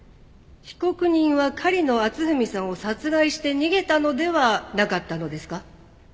被告人は狩野篤文さんを殺害して逃げたのではなかったのですか？